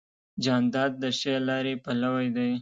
جانداد د ښې لارې پلوی دی.